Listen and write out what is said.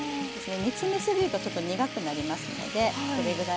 煮詰め過ぎるとちょっと苦くなりますのでこれぐらいで。